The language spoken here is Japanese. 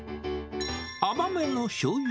甘めのしょうゆ